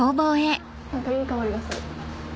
何かいい香りがする。